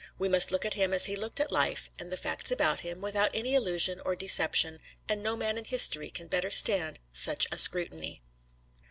We must look at him as he looked at life and the facts about him, without any illusion or deception, and no man in history can better stand such a scrutiny.